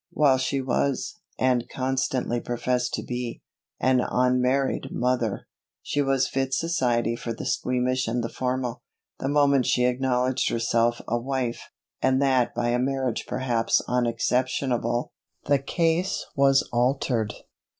While she was, and constantly professed to be, an unmarried mother; she was fit society for the squeamish and the formal. The moment she acknowledged herself a wife, and that by a marriage perhaps unexceptionable, the case was altered.